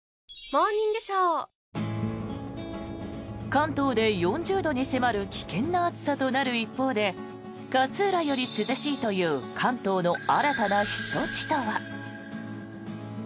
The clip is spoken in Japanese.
関東で４０度に迫る危険な暑さとなる一方で勝浦より涼しいという関東の新たな避暑地とは。